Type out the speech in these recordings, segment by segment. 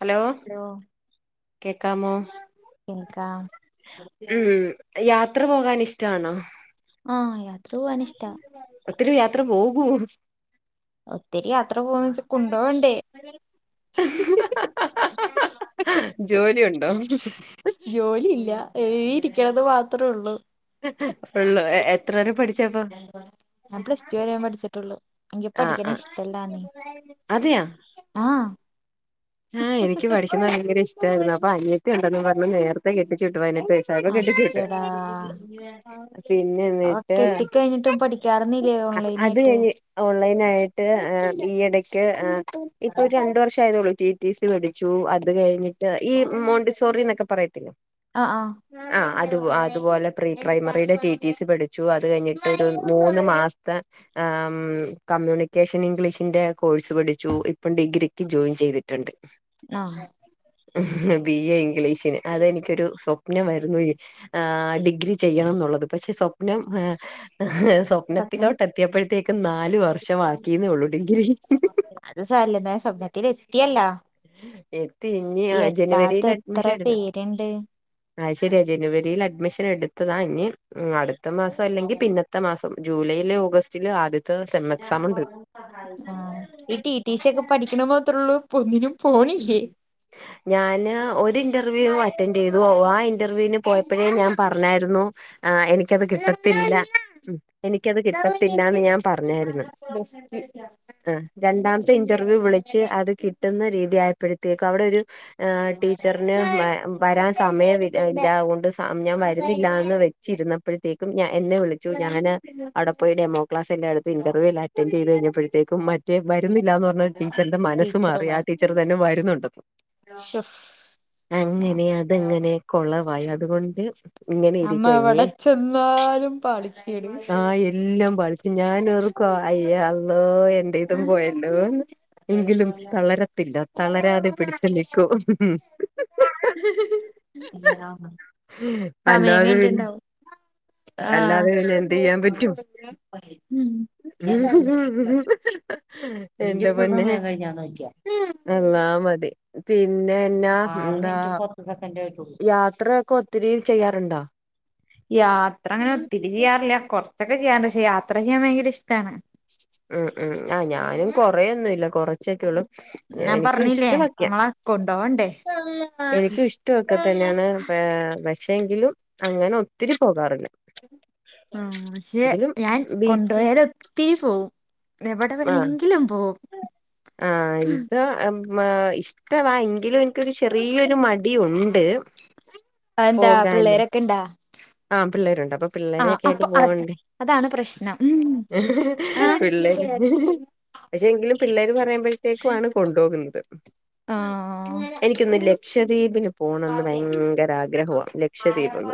Hello കേക്കാമോ ഇൻക എത്ര പോകാൻ ഇഷ്ടമാണോ ആഹ യാത്രൂ അനിഷ്ട ഒത്തിരി യാത്ര പോകുവോ ഒത്തിരി യാത്ര പോവ വച്ചാ കുണ്ടോണ്ടേ ജോലി ഉണ്ടോ ജോലിയില്ല എഴതി ഇരിക്കണത് മാത്രമേ ഉള്ളൂ ഉള്ളു എ എത്ര വരെ പഠിച്ചപ്പോ ഞാൻ പ്സ്റ്റോൻ പഠിച്ചിട്ടുള്ളു ഇങ്കപ്പ ആഹ് പഠിക്കണ ആഹ് ഇച്ചിട്ടല്ലാനീ അതെയാ ആഹ ആഹ് എനിക്ക് പഠിക്കുന്നത് ഭയങ്കര ഇഷ്ടമായിരുന്നു അപ്പൊ അനത്തെ ഉണ്ടന്ന് പറഞ്ഞഞ് നേരത്തെ കെട്ടിച്ച പതിനട്ട പൈസക്കെ കെട്ടിച്ചട്ട് അശ്ശടാ പിന്നെ ആഹ് എന്നിട്ട് കെട്ടിക്കഴിഞ്ഞിട്ടും പഠിക്കാറുന്നില്ലേ ഓൺലൈൻ അത് ആയിട്ട് ഞ ഓ ഓൺലൈന ആയിട്ട് ഈ ഇടക്ക് ഇപ്പൊ ആഹ് ഒരു രണ്ട വർഷം ആയതോള പിടിച്ചു അത് കഴിഞ്ഞിട്ട് ഈ മോണ്ടിസോറി എന്നൊക്കെ പറയത്തില്ല ആഹ് ആ അത് അതുപോലെ പ്രീ പ്ര്രൈ ടെ ടി സി പഠിച്ചു അത് കഴിഞ്ഞിട്ട് മൂന്ന് മാസ ക്യൂണേഷ ൻ ഇംഗ്ലീഷിന്റെ കോഴ്സ് പഠിച്ചു ഇപ്പം ഡിഗ്രിക്ക് ജോയിൻ ചെയ്തിട്ടുണ്ട് ആഹ് ബി എ ഇംഗ്ലീഷിന് അതെനിക്കൊരു സ്വപ്നം സ്വപ്നമായിരുന്നു ആ ഡിഗ്രി ചെയ്യണം എന്നുള്ളത് പക്ഷെ സ്വപ്നം സ്വപ്നം സ്വപ്നത്തിലോട്ട് എത്തിയപ്പോഴത്തേക്ക നാലു വർഷംമാക്കീന്ന ഉള്ളൂങ്കില് ല്ല സ്വപ്നത്തിൽറ്റയല്ലാ എത്തി ഇനി ജനുവരിൽ എത്ര അഡ്മിഷൻ എടുത പേരുണ്ട് ആഹ ശരിയയാ ജനുവരിയിൽ അഡ്മിഷൻ എടുത്തതാ ഇനി അടുത്ത മാസം അല്ലെങ്കിൽ പിന്നത്തെ മാസം ജൂലൈയില് ഓഗസ്റ്റില് ആദ്യ ആ ഈ ടി ടി സി ഒക്കെ പഠിക്കണ മാത്രേ ഉള്ളൂ പൊന്നിനും ഞാന് ഒരു ഇന്റർവ്യൂ അറ്റൻഡ് ചെയ്തുോ ആ ഇന്റർവ്യൂവിന് പോയപ്പോഴേ ഞാൻ പറഞ്ഞായിരുന്നു ആ എനിക്കത് കിട്ടത്തില്ല ഉ എനിക്കത് കിട്ടത്തില്ലന്ന് ഞാൻ പറഞ്ഞായിരുന്നു ബെസ്റ്റ് ആ രണ്ടാം ഇന്റർവ്യൂ വിളിച്ച് അത് കിട്ടുന്ന രീതിയപ്പോഴത്തിയേക്കും അവിടെ ഒരു ഹ ടീച്ചറിന് വരാൻ സമയം ഇല്ലതൊണ്ട് ഞാൻ വരുന്നില്ലന്ന് വെച്ചിരുന്നപ്പോഴത്തേക്കും ഞാൻ എന്നെ വിളിച്ചു ഞാന് അവിടെ പോയിടമ്മ ക്ലസ് എല്ല അത്ത് ഇറർ്യ എല്ല അറ്റൻഡ ചെയ്ത് കഴിഞ്ഞഴത്തേും മറ്റ വരുന്നില്ലന്ന് പറഞ്ഞാൽ ടീച്ചറിന്റെ മനസ്സ് ടീച്ചർ മാറി ആ വന്ന് ടീച്ചർ തന്നെ വരുന്നുണ്ടെന്ന് ശോ അങ്ങനെ അതങ്ങനെ കുളവായി അതുകൊണ്ട് ഇങ്ങനെ നമ്മ ഇരിക്കഞ്ഞ എവിടെ ചെന്നാലും പാളിക്കേട് ആഹ് എല്ലാം പഠിച്ച ഞാന റക്ക അയ്യല്ലോ എൻന്റെ ഇതും പോയല്ലോന്ന് എങ്കിലും തള്ളര ഇല്ല തളരാതെ പിടിച്ച നിക്കൂ സമയം കഴിട്ടുണ്ടാവും അല്ലാതെന്നെ എന്ത് ചെയ്യാൻ പറ്റും നിന്റെ എന്താ ഇപ്പളും പറന്നെ സമയം കഴിഞ്ഞാ നോക്കിയേ എല്ലാ മതി പിന്നെന്നാ ആറ് എന്താ മിനിറ്റും പത്ത് സെക്കൻഡേ ആയിട്ടുള്ളൂ യാത്രയക്കെ ഒത്തിരി ചെയ്യാറുണ്ടോ യാത്ര അങ്ങനെ ഒത്തിരി ചെയ്യാറില്ല കുറച്ചൊക്കെ ചെയ്യാറുണ്ട് പക്ഷെ യാത്ര ചെയ്യാൻ ഭയങ്കര ഇഷ്ടമാണ് ഉം ഉം ആഹ് ഞാനും കൊറേൊന്നുമല്ല കൊറച്ചൊക്കെള്ളൂ ഞാൻ എനിക്ക പറഞ്ഞില്ലേ ഇഷ്ടമാക്ക നമ്മളെ കൊണ്ടോവണ്ടേ എനിക്കും ഇഷ്ടമാക്കാ തന്നെയാണ് പക്ഷേങ്കിലും അങ്ങനെ ഒത്തിരി പോകാറില്ല ആ പക്ഷെ എങ്കിലും ഞാൻ ബീച്ച് കൊണ്ടോയാൽ ഒത്തി പോവും. എവിടെ ആഹ് വേണെങ്കിലും പോകും. മ ഇഷ്ടവാ എങ്കിലും എനിക്കൊരു ചെറിയൊരു മടി ഉണ്ട്. എന്താ, പിള്ളേരൊക്കെ ഇണ്ടാ? ആഹ് പിള്ളേരുണ്ട്, അപ്പൊ ആഹ് പിള്ളേരൊക്കെ ആയിട്ട് അപ്പൊ അത് പോവണ്ടേ അതാണ് പ്രശ്നം ഉം ആഹ് പി [unintelligible] പക്ഷെ എങ്കിലും പിള്ളേര് പറയുമ്പോഴത്തേക്കും ആണ് കൊണ്ടുപോകുന്നത്. ആഹ് എനിക്കൊന്നുംല്ല ലക്ഷദ്വീപിന് പോണന്ന് ഭയങ്കര ആഗ്രഹമാണ് ലക്ഷദ്വീപിൻ.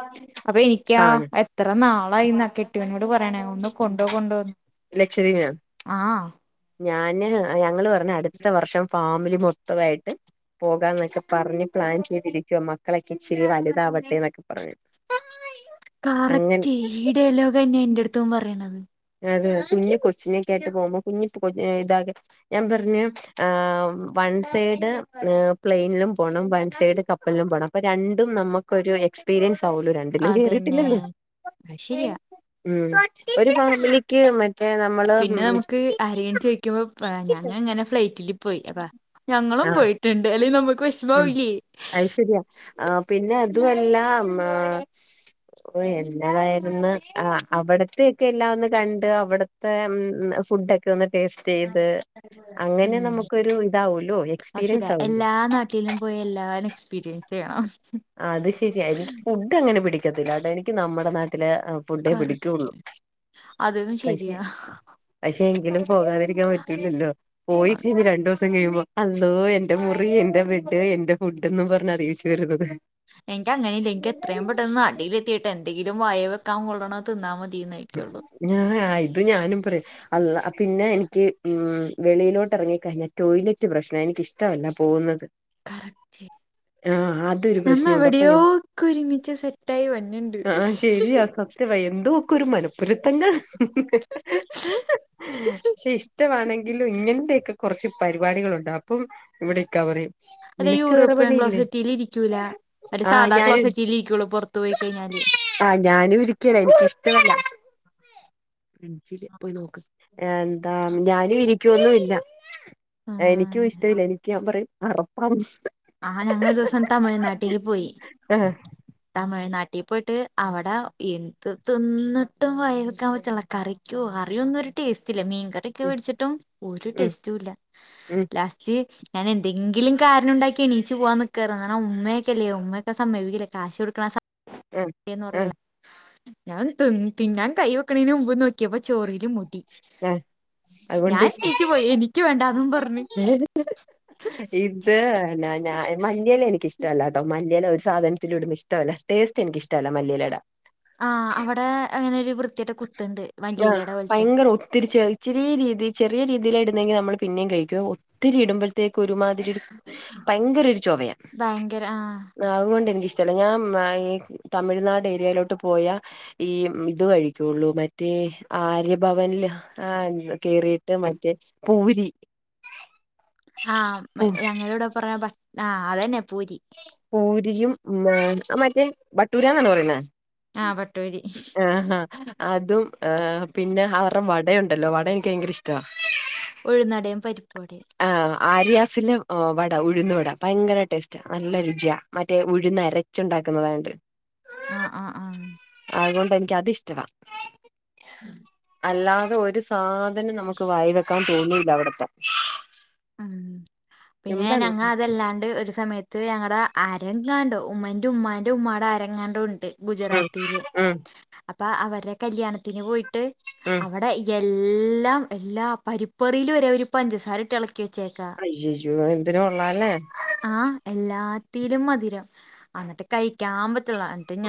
ക്യാ എത്ര നാളായിന്നാ കെട്ടിവനോട് പറയണേ ഒന്ന് കൊണ്ടോ കൊണ്ടോന്നു. ലക്ഷദീപിനോ. ഞാൻ ഞങ്ങൾ പറഞ്ഞു അടുത്ത വർഷം ഫാമിലി മൊത്തമായിട്ട് പോകാന്നൊക്കെ പറഞ് പ്ലാൻ ചെയ്തിരിക്കുവ മക്കളൊക്കെ ഇച്ചരി വലുതാവട്ടെ എന്നൊക്കെ പറഞ്ഞു. കറക്റ്റ് ഈ ഡയലോഗ് തന്നെയ എന്റെ അടുത്തും പറയണത്. അ കുഞ്ഞി കൊച്ചിനെക്കട്ട് പോകുമ്പോ കുഞ്ഞി [unintelligible] ആ ഞാൻ പറഞ് വൻസിടെ പ്ലാനിലും പോണം വൻസിടെ കപ്പലും പോണം അപ്പൊ രണ്ടും നമുക്കൊരു എക്സ്പീരിയൻസ് [unintelligible] രണ്ടിലും അതന്നെ കേറീട്ടില്ലലോ അത് ശരിയാ. മം ഒരു ഫാമിലിക്ക് മറ്റേ പിന്നെ നമ്മള് നമുക്ക് ആരേലും ചോദിക്കുമ്പോ ഞാൻ ഇങ്ങനെ ഫ്ലൈറ്റില് പോയി അതാ. ഞങ്ങളും ആഹ് പോയിട്ടുണ്ട് അല്ലെങ്കിൽ നമു ഉം അശ്ശേരിയ ആ പിന്നെ അതുമല്ലാം ആ എന്ത അവിടത്തെ ഒക്കെ എല്ലാം ഒന്ന് കണ്ട് അവിടത്തെ ഫുഡ് ഒക്കെ ഒന്ന് ടേസ്റ്റ് ചെയ്ത് അങ്ങനെ ഉം നമുക്കൊരു ഇതാവല്ലോ എക്സ്പീരിയൻസ് ആവല്ലോ. ട്ടിലും പോയി എല്ലാവരും എക്സ്പീരിയൻസ് ചെയ്യണം. ഏഹ് ആ അത് ശരിയ എനിക്ക് ഫുഡ് അങ്ങനെ പിടിക്കത്തില്ല കേട്ടോ എനിക്ക് നമ്മുടെ നാട്ടി പിന്നെ ഫുഡേ കറക്റ്റ് പിടിക്കുള്ളൂ അതും പക്ഷെ ശരിയാ പക്ഷേ യെങ്കിലും പോകാതിരിക്കാൻ പറ്റൂല്ലല്ലോ ആ, പോയില്ലെങ്കിൽ രണ്ടൂസ [unintelligible] കഴിയുമ്പോ അല്ലോ എന്റെ മുറീ എന്റെ ബെഡ് എന്റെ ഫുഡും പറഞ്ഞഞ് അറിയിച്ചു വരുന്നത്. എനക്ക് അങ്ങനെല്ല എനിക്ക് എത്രയും പെട്ടന്ന് നാട്ടിൽ എത്തീട്ട് എന്തെങ്കിലും വായീൽ വെക്കാൻ കൊള്നെ തിന്നാ മതി എന്നൊക്കെയുള്ളൂ ഞാ ആയി ഞാനും പറ അല്ലാഹ് പിന്നെ എനിക്ക് ഹ്മ്മ് വെളിയിലോട്ട് ഇറങ്ങികഴിഞ്ഞാൽ ടോയ്ലറ്റ് പ്രശ്ന ഇഷ്ടമില്ല പോകുന്നത്. [unintelligible] ആഹ് അതൊരു നമ്മ പ്രശ്നമുണ്ട് അപ്പൊ ഞാൻ എവിടെയോക്കെയോ ഒരുമിച്ച് സെറ്റായി വന്നു ആഹ് ശെരിയാ സത്യവ എന്തോകോ ഒരു മനഃപ്പുരുത്തങ്ങ ഹ്ഹഹ്ഹ ഹ് പക്ഷെ ഇഷ്ടമാണെങ്കിലും ഇങ്ങനൊതൊക്കെ കുറച്ച് പരിപാടികളുണ്ട് അപ്പം ഇവിടെക്കാ പറഞ്ഞു. അതെ യൂറോപ്യൻ ക്ലോസെറ്റിൽ ഇരിക്കൂല്ല, ഒരു ആഹ് സാധാ ഞാനും ക്ലോസെറ്റിൽ ഇരിക്കുള്ളൂ പുറത്ത് പോയി കയിഞാൽ ഞാനും ഇരിക്കല എനിക്കിഷ്ടമല്ല. ഫ്രിഡ്ജിൽ പോയി നോക്ക് ആ എന്താ ഞാനും ഇരിക്കുവൊന്നും ഇല്ല. ആ എനിക്കും ഇഷ്ടല്ല എനിക്ക് ഞാൻ പറയും അറപ്പാന്ന്. ആഹ ഞങ്ങൊരു ദിവസം തമിഴ്നാട്ടിൽ പോയി ആഹ് തമിഴ്നാട്ടിൽ- കട്ടി പോയിട്ട് അവിടെ എന്ത് തിന്നിട്ടും വയവെക്കാൻ പറ്റനില കറിക്കോ കറിയോ ഒന്നും ഒരു ടേസ്റ്റ് ഇല്ല മീൻകറിയൊക്കെ ഉം മേടിച്ചിട്ടും ഒരു ഉം ടേസ്റ്റും ഇല്ല. ഉം ലാസ്റ്റ് ഞാൻ എന്തെങ്കിലും കാരണം ഉണ്ടാക്കി എണീച്ച് പോവാൻ നിക്കായിരുന്നു കാരണം ഉമ്മയൊക്കല്ലേ ഉമ്മയക്കെ സമയ്ക്കൂല കാശ് [unintelligible] ആഹ് ന്ന് പറയോ? ആഹ് ഞാൻ തിന്നാൻ കൈ വെക്കണതിന് മുമ്പ് നോക്കിയപ്പോ ചോറിൽ മുടി. ആഹ് അതുകൊണ്ട് ഞാൻ ഇഷ്ട നീച്ച് പോയി എനിക്ക് വേണ്ടന്നും പറഞ്ഞു. പിന്നേ ഞാൻ മല്ലില എനിക്ക് ഇഷ്ടമില്ലാട്ടോ മല്ലയി [unintelligible] [unintelligible] സാധനത്തിലൂടും ഇഷ്ടമില്ല ടേസ്റ്റ് എന്നിക് ഇഷ്ടല്ല മല്ലിയിലട. ആ അവിടെ അങ്ങനെരു വൃ- ആഹ ഭയങ്കര ഒത്തിരിച്ച ചെരിയ രീതി [unintelligible] ചേ രീതിയില ഇുന്നെങ്കിൽ നമ്മൾ പിന്നെയ കഴിക്കുക ഒത്തിരി ഇടു..... ക്ക് ഒരുമാതിരി ഭയങ്കര ഒരു ചൊവയാ ഭയങ്കര ആഹ് അതുകൊണ്ട് എനിക്ക്....... ചില ഞാൻ തമിഴ്നാട് ഏരിയയിലോട്ട് പോയ ഈ ഇത്...... പറ്റുള്ളൂ മറ്റേ ആര്യഭവനിൽ ആ കേറിയിട്ട് മറ്റേ പൂരി..... ആഹ ഉം ഞങ്ങളടെ പറഞ്ഞ ആ് അതന്നെ പൂരി...... പൂരിയും ആ മറ്റേ ബട്ടൂരാന്നാണ് പറയുന്നേ...... ആ പട്ടൂ...... ആഹഹ അതും ആ പിന്നെ അവറ വടയുണ്ടല്ലോ വട എനിക്ക് ഭയങ്കര ഇഷ്ട...... ഒഴുനടം പരിപ്പ് വടേം..... ആര്യാസിന്റെ വട ഉഴുന്ന വട ഭയങ്കര ടേസ്റ്റ് നല്ല രുചിയ മറ്റേ ഉഴുന്ന് അരച്ചു...... ന്നതണ്ട്....... ആആആ...... അതുകൊണ്ട് എനിക്ക് അത് ഇഷ്ട...... ഹ..... അല്ലാതെ ഒരു സാധനം നമുക്ക് വായി വെക്കാൻ തോന്നൂല്ല അവിടത്തെ....... ഉം പിന്നെ എന്താണ് ഞങ്ങ അതല്ലാണ്ട് ഒരു സമയ...... ഇ ഞങ്ങളടെ അരങ്ങാണ്ടോ ഉമ്മന്റെ ഉമ്മാൻ്റെ ഉമ്മായുടെടെ അരങ്ങാണ്ട ഉ..... ഉം ഗുജറാത്തിയില് ഉം അപ്പൊ അവരുടെ കല്യാണത്തിന് പോയിട്ട് ഉം അവിടെ....... [unintelligible] എല്ലാം എല്ലാ പരിപ്പറിൽ വരെ അവര് പഞ്ചസാരട്ട് ഇള....... അജു എന്തിനും കൊള്ളല്ലേ..... ആഹ എല്ലാത്തിലും മധുരം എന്നിട്ട് കഴിക്കാ്.......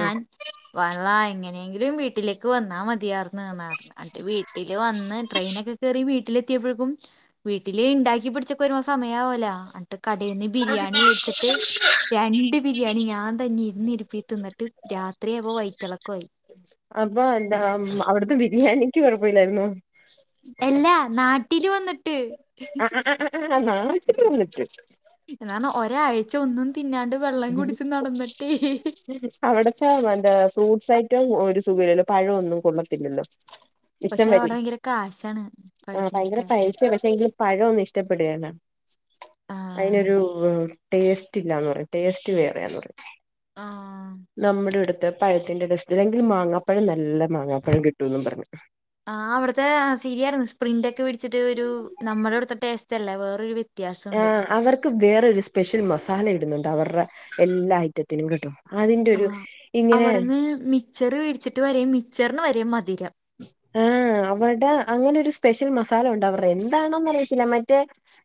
ഉം വാള എങ്ങനെയെങ്കിലും വീട്ടിലേക്ക് വന്നാ മതിയാർന്ന്..... എന്നിട്ട് വീട്ടില് വന്ന് ട്രെയിനൊക്കെ കേറി...... വീട്ടിലെത്തിയപ്പോഴക്കും വീട്ടില് ഉണ്ടാക്കി പിടിച്ചക്കെ ഒരു സമയവല്ല്...... അന്ന് ബിരിയാണി മേടിച്ചിട്ട് രണ്ട് ബിരിയാണി ഞാൻ തന്നെ ഇരുന്നരുപ്പി തിന്നിട്ട് [unintelligible] അത്രയ അവ വഴറ്റളക്കമായി...... അപ്പ എന്താ അവിടുത്തെ ബിരിയാണിക്ക് കുഴപ്പലായിരുന്നു....... അല്ലാ നാട്ടില് വന്നി..... ആ ആ ആ നാട്ടിൽവന്നിട്ട്.... എന്നന്താണ് ഒരാഴ്ച ഒ..... ഉം...... അവിടത്തെ എന്ത ഫ്രൂട്ട്സ് ഐറ്റം ഒരു സുഖമല്ലോ പഴമൊന്നും കൊള്ളത്തില്ലല്ലോ....... ഇഷ്ടം പക്ഷെ വരെ അവിടെ ഭയങ്കര കാശാണ് ആ ഭയങ്കര പഴത്തിനൊക്കെ പഴസ പക്ഷെ എങ്കിലും പഴു.....,. ഇഷ്ടപ്പെടുകയാണ് ആഹ് അതിനൊരു ടേസ്റ്റ് ഇല്ലാന്ന്....... ടെസ്റ്റ് വേറെന്ന് പറ ആഹ് നമ്മുടെ...... പഴത്തിന്റെടസ്റ്റെങ്കിൽ മാങ്ങാപ്പഴം നല്ല മാങ്ങാപ്പഴം കിട്ടു [unintelligible] ആ അവിടുത്തെ [unintelligible] സ്പ്രിന്റ് ഒക്കെ പിടിച്ചിട്ട് ഒരു നമ്മുടെ അവിടുത്ത....... ല്ല വേറൊരു..... [unintelligible] ആ അവർക്ക് വേറരു സ്പെഷ്യൽ മസാല ഇടുന്നുണ്ടഅവരുടെ എല്ലാ ഐറ്റത്തിനും കി...... ആ അവിടുന്ന് മിച്ചർ വീടിച്ചിട്ട് വര മക്ച്ചറിു വര മധുരം.... ആഹ...... അവടെ അങ്ങനെ ഒരു സ്പെഷ്യൽ മസാല ഉണ്ട് അവരുടെ എന്താണോ അറിയി മറ്റേ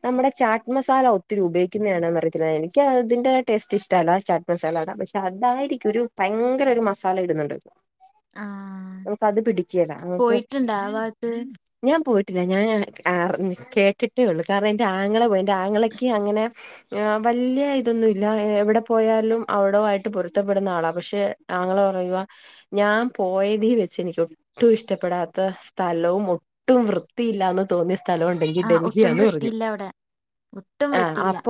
നമ്മടെ....... മസാല ഒത്തിരി ഉപയോഗിക്കുന്നതാണെന്ന് മറയ്ക്കുന്നത് എനിക്ക് അതിൻന്റെറെ ടേസ്റ്റ് ഇഷ്ടമല്ല ചാട്ട് മസാലാണ് പക്ഷെ അതായിരിക്കും......... ഭയര മസ ഇടുന്നുണ്ട്...... ആഹ് പോയിട്ടുണ്ട് ആ ഭാഗത്ത് [unintelligible] പോയിട്ടില്ല ഞാൻ കേക്കിട്ടേ ഉള്ളൂ കാരണം എന്റെ ആങ്ങളെ പോ എന്റെ ആങ്ങളക്ക് അങ്ങനെ..... വല്യ ഇതൊന്നുല്ല എവ്ടെ പോയാലും അവിടോ ആയിട്ട് പൊരുത്തപ്പെടുന്ന ആളാ പക്ഷെ ആങ്ങള ഞാൻ പോയതീവെച്ച് എനിക്കു ഒട്ടും ഇഷ്ടപ്പെടാത്ത സ്ഥലവും ഒട്ടും വൃത്തിയില്ലാന്ന് തോന്നിയ സ്ഥലം ഉണ്ടെങ്കി ആ ഒട്ടും ഡൽഹിയാണ് പറഞ്ഞു. വൃത്തിയില്ല അവിടെ ഒട്ടും ആഹ് വൃത്തിയില്ല അപ്പ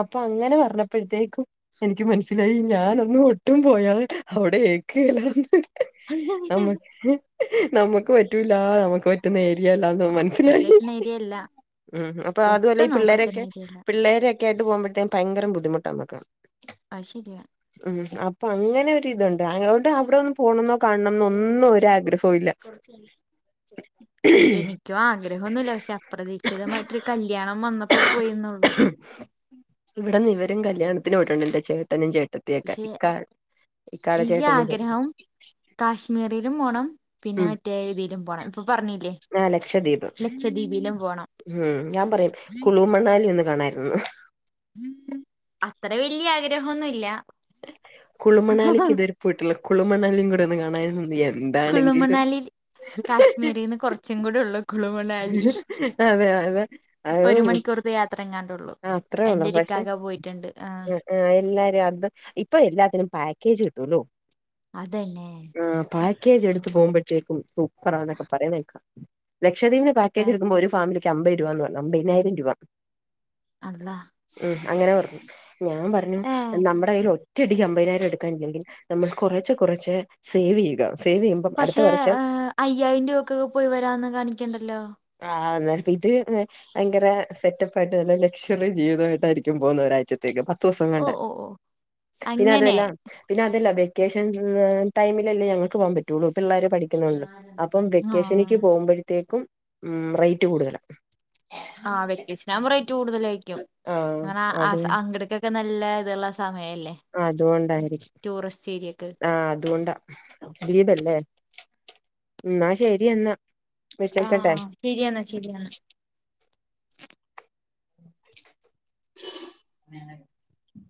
അപ്പൊ അങ്ങനെ പറഞ്ഞപ്പഴത്തേക്കു എനിക്ക് മനസ്സിലായി ഞാനൊന്നും ഒട്ടും പോയാ [unintelligible] അവിടെ ഏക്ക് എലാന്ന്. [inaudible] നമുക്ക് പറ്റൂലാ നമുക്ക് പറ്റുന്ന ഏരിയല്ലാന്ന് ഓൻ ആഹ് അവിടെ മനസ്സിലായി. പറ്റുന്ന ഏരിയല്ല ഉം അപ്പൊ ആതുഅല്ലാ ഒട്ടും ഈ നമുക്ക് പറ്റുന്ന പിള്ളേരൊക്കെ ഏരിയല്ല പിള്ളേരൊക്കെ ആയിട്ട് പോകുമ്പോഴത്തേക് ഭയങ്കര ബുദ്ധിമുട്ടാമ്മക്ക്. ആശരിയയാ. അപ്പൊ അങ്ങനൊരിതുണ്ട് ആങ്ങനോണ്ട് അവിടെ ഒന്നും പോണംന്നോ കാണണംന്നോ ഒന്നും ഒരാഗ്രഹോല്ല. എനിക്കു ആഗ്രഹോന്നുല്ല പക്ഷേ അപ്രതീ ക്ഷിതമായിട്ട് കല്ല്യാണം വന്നപ്പോ പോയീന്നൊള്ളു കല്ല്യാത്തിന് പോയിട്ടുണ്ട്ന്റെ ചേട്ടനും ചേ പക്ഷേ എനിക്ക് ചേട്ടനും ചേട്ടത്തി ആഗ്രഹം കാശ്മീരിലും പോണം. പിന്നെ മറ്റേ ഇതിലും പോണം. പറഞ്ഞില്ലേ ആഹ് ലക്ഷദ്വീപ് ലക്ഷദ്വീപിലും പോണം ഉം ഞാൻ പറയും കുളൂ മണ്ണാലി ഒന്ന് കാണായിരുന്നു അത്തറ വല്ല്യ ആഗ്രഹൊന്നുല്ലാ കുളു മണാലിക്ക് ഇതുവരെ പോയിട്ടില്ല കുളു മണാലിം കൂടെ ഒന്ന് കാണായിരുന്നുന്ന് വി കുളുമണാലിൽ കാശ്മീരിൽന്ന് കുറച്ചു കൂടെ ഉള്ളു കുളുമ ണാലി അതെ അതെ ഒരു അത് മണിക്കൂർതെ യാത്ര ങ്ങാൻ ആഹ് അത്രേഉള്ളു പക്ഷേ ആ എ എല്ലാരു [unintelligible] അത്‌ ഇപ്പൊ എല്ലാത്തിനും പാക്കേജ് കിട്ടൂല്ലോ. അതന്നെ. ക്കേജ് എടുത്ത് പോകുപഴത്തേക്കും സൂപ്പറാണെനൊക്കെ പറിണേക്കാ. ലക്ഷദ്വീപിന് ഇപ്പ പാക്കേജ് ഇടുക്കുമ്പോ ഒരു ഫാമിലിക്ക് അമ്പത് രൂപാന്ന് പറഞ്ഞു അമ്പതിനായിരം രൂപ. അള്ളാഹ്. ഉം അങ്ങനെ പർഞ്ഞു ഞാൻ പറഞ്ഞു നമ്മുടെ കയ്യിൽ ഒ ഒറ്റടിക്ക് അമ്പതിനായിരം എടുക്കാൻ ഇല്ലങ്കിൽ നമ്മൾ കുറേചേ കുറേചേ സേവ് ചെയ്യുകാ പക്ഷേ അയ്യായിരം രൂപക്കെക്കെ പോയി വരാന്ന് കാണിക്ക്ണ്ടല്ലോ? ആഹ് ഇത് ഭയങ്കര സെറ്റപ്പ് ആയിട്ട് നല്ല ലക്ഷ്വറി ജീവിതമായിട്ടായിരിക്കും പോകുന്ന ഒരാഴ്ചത്തേക്ക്. ഓ തോസംകൊണ്ട് ഓ ഓ പിന്നെ അങ്ങനെ അതുവല്ല പിന്നെ അതെല്ലാ വെ വെക്കേഷൻ ടൈമിലല്ലേ ഞങ്ങക്ക് പോകാൻ പറ്റുള്ളൂ. പിള്ളാര് പഠിക്കുനോണ്ട് അപ്പം ആ വെക്കേഷനിക്ക് പോകുമ്പോഴത്തേക്കും റേറ്റ് കൂടുതലാ. ആഹ് വെക്കേഷൻ ആകുബോ റൈറ്റ് കൂടുതലേയിരിക്കും ആഹ് ആ അത് ആസാ അങ്ങ്ട്ക്കൊക്കെ നൽ ല്ല ഇതുള്ള സമയം. അതുകൊണ്ടായിരിക്കും ഏരിയക്ക് ആഹ് അതുകൊണ്ടാ ദീപല്ലേ. ഉം ശരി എന്നാ. വെച്ചേക്കട്ടെ ആഹ് ശരിയാണ് ശരിയാണ് [unintelligible]